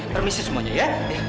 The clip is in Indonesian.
permisi semuanya ya